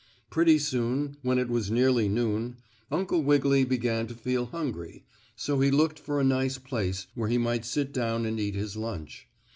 Pretty soon, when it was nearly noon, Uncle Wiggily began to feel hungry, so he looked for a nice place where he might sit down and eat his lunch.